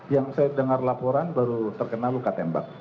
yang saya dengar laporan baru terkena luka tembak